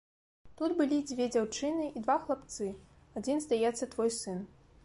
Тут былі дзве дзяўчыны і два хлапцы, адзін, здаецца, твой сын.